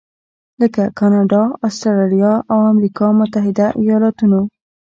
لکه کاناډا، اسټرالیا او امریکا متحده ایالتونو.